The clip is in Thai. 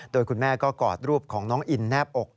โดยคุณแม่ก็กอดรูปของน้องอินแนบอก